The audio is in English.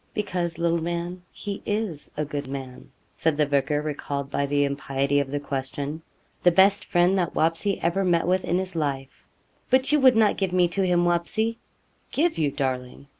'Because, little man, he is a good man,' said the vicar, recalled by the impiety of the question. 'The best friend that Wapsie ever met with in his life.' 'But you would not give me to him, Wapsie?' 'Give you, darling!